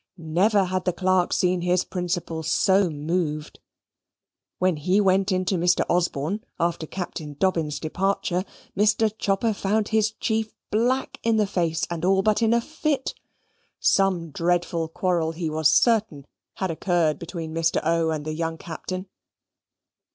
Never had the clerk seen his principal so moved. When he went in to Mr. Osborne, after Captain Dobbin's departure, Mr. Chopper found his chief black in the face, and all but in a fit: some dreadful quarrel, he was certain, had occurred between Mr. O. and the young Captain.